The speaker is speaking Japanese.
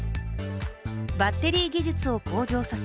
バッテリー技術を向上させ